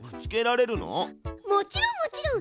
もちろんもちろん！